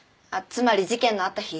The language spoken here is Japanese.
つまり事件のあった日。